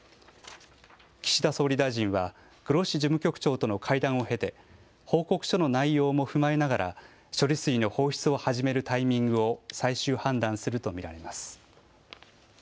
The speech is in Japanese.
岸田総理大臣はグロッシ事務局長との会談を経て報告書の内容も踏まえながら処理水の放出を始めるタイミングを最終判断すると見られます。